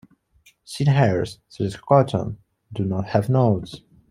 Seed hairs, such as cotton, do not have nodes.